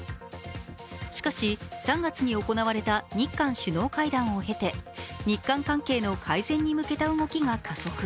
しかし、３月に行われた日韓首脳会談を経て日韓関係の改善に向けた動きが加速。